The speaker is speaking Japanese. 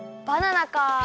バナナか。